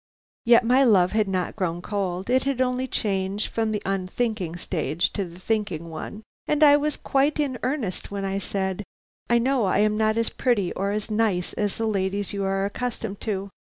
Yet my love had not grown cold, it had only changed from the unthinking stage to the thinking one, and I was quite in earnest when I said: 'I know I am not as pretty or as nice as the ladies you are accustomed to.